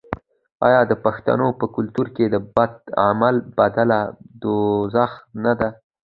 آیا د پښتنو په کلتور کې د بد عمل بدله دوزخ نه دی؟